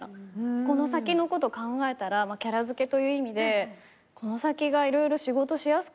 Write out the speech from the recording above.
この先のこと考えたらキャラ付けという意味でこの先が色々仕事しやすくなるのかな？